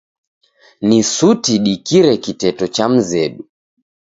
Ni suti dikire kiteto cha mzedu.